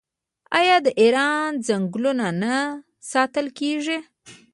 آیا د ایران ځنګلونه نه ساتل کیږي؟